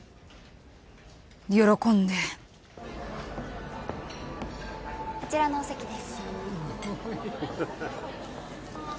喜んであちらのお席ですああ